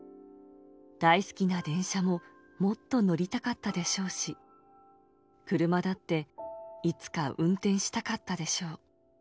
大好きな電車ももっと乗りたかったでしょうし、車だっていつか運転したかったでしょう。